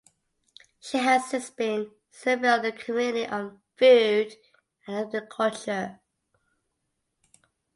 She has since been serving on the Committee on Food and Agriculture.